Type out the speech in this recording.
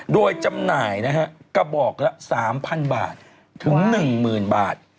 โดยจำหน่ายนะฮะกระบอกละ๓๐๐บาทถึง๑๐๐๐บาท